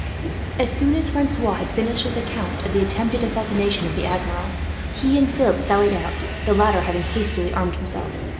As soon as Francois had finished his account of the attempted assassination of the Admiral, he and Philip sallied out, the latter having hastily armed himself.